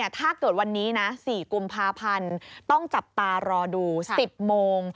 ถ้าเกิดวันนี้นะ๔กุมภาพันธ์ต้องจับตารอดู๑๐โมง